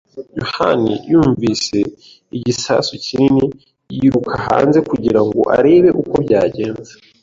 yohani yumvise igisasu kinini yiruka hanze kugira ngo arebe uko byagenze.